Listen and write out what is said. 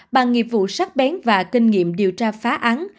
bằng nghiệp vụ sắc bén và kinh nghiệm điều tra phá án